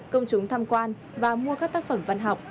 công chúng tham quan và mua các tác phẩm văn học